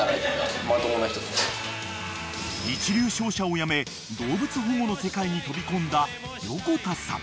［一流商社を辞め動物保護の世界に飛び込んだ］